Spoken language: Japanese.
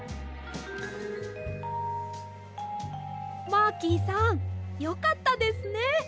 マーキーさんよかったですね。